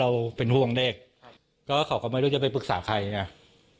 เราเป็นห่วงเด็กก็เขาก็ไม่รู้จะไปปรึกษาใครไง